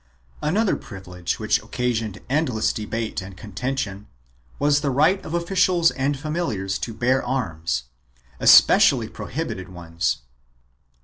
3 Another privilege which occasioned endless debate and con tention was the right of officials and familiars to bear arms, especially prohibited ones.